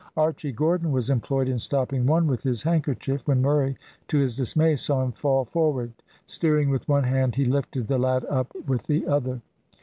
Archy Gordon was employed in stopping one with his handkerchief, when Murray, to his dismay, saw him fall forward; steering with one hand he lifted the lad up with the other.